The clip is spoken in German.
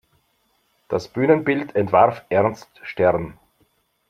Das Bühnenbild entwarf Ernst Stern.